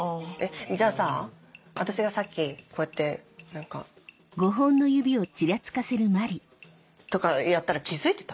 じゃあさ私がさっきこうやって何か。とかやったら気付いてた？